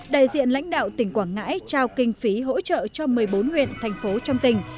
đại diện lãnh đạo tỉnh quảng ngãi trao kinh phí hỗ trợ cho một mươi bốn huyện thành phố trong tỉnh